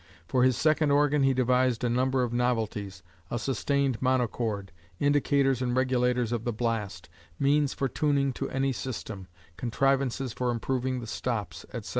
For his second organ he devised a number of novelties, a sustained monochord, indicators and regulators of the blast, means for tuning to any system, contrivances for improving the stops, etc.